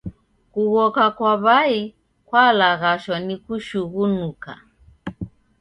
Kughoka kwa w'ai kwalaghashwa ni kushughunuka.